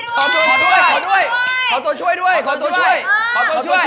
ขอตัวช่วยขอตัวช่วยขอตัวช่วยขอตัวช่วยขอตัวช่วยขอตัวช่วย